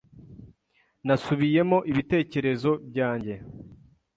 Nasubiyemo ibitekerezo byanjye.